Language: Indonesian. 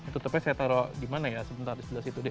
tutupnya saya taruh di mana ya sebentar di sebelah situ